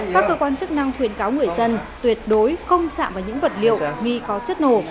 các cơ quan chức năng khuyến cáo người dân tuyệt đối không chạm vào những vật liệu nghi có chất nổ